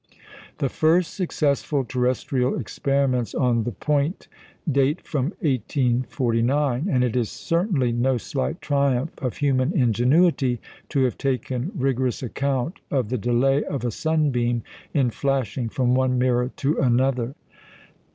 The first successful terrestrial experiments on the point date from 1849; and it is certainly no slight triumph of human ingenuity to have taken rigorous account of the delay of a sunbeam in flashing from one mirror to another.